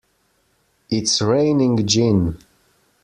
It's raining gin!